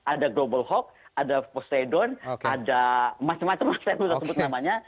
ada global hawk ada posidon ada masy masy masy yang kita sebut namanya